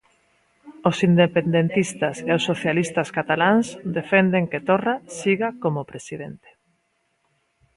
Os independentistas e os socialistas cataláns defenden que Torra siga como presidente.